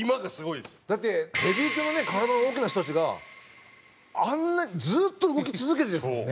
だってヘビー級のね体の大きな人たちがあんなずっと動き続けてるんですもんね。